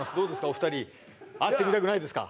お二人会ってみたくないですか？